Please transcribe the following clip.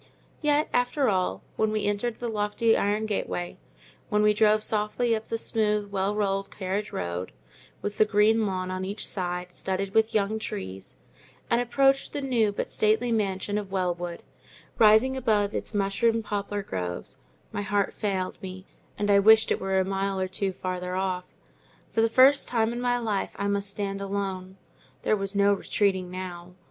Yet, after all, when we entered the lofty iron gateway, when we drove softly up the smooth, well rolled carriage road, with the green lawn on each side, studded with young trees, and approached the new but stately mansion of Wellwood, rising above its mushroom poplar groves, my heart failed me, and I wished it were a mile or two farther off. For the first time in my life I must stand alone: there was no retreating now.